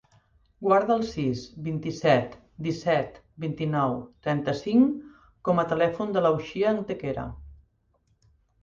Guarda el sis, vint-i-set, disset, vint-i-nou, trenta-cinc com a telèfon de l'Uxia Antequera.